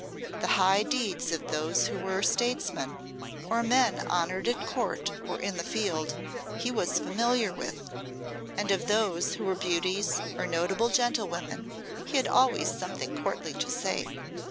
The high deeds of those who were statesmen, or men honoured at Court or in the field, he was familiar with; and of those who were beauties or notable gentlewomen he had always something courtly to say.